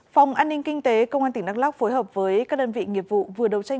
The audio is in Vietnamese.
phòng an ninh kinh tế công an tỉnh đắk lóc phối hợp với các đơn vị nghiệp vụ vừa đấu tranh